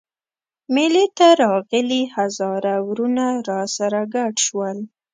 مېلې ته راغلي هزاره وروڼه راسره ګډ شول.